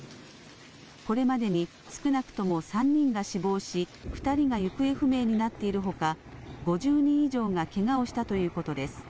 これまでに少なくとも３人が死亡し２人が行方不明になっているほか５０人以上がけがをしたということです。